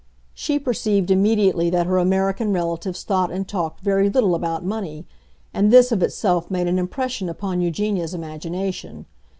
She perceived immediately that her American relatives thought and talked very little about money; and this of itself made an impression upon Eugenia's imagination.